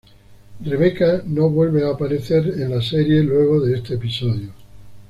Rebecca no vuelve a aparecer en la serie luego de este episodio.